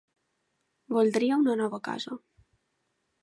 Voldria una nova casa.